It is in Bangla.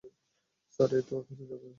স্যার, এইতো এখুনি হয়ে যাবে।